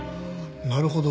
なるほど。